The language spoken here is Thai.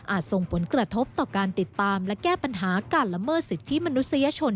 ส่งผลกระทบต่อการติดตามและแก้ปัญหาการละเมิดสิทธิมนุษยชน